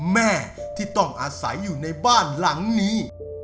แม่ที่ต้องอาศัยอยู่ในบ้านหลังนี้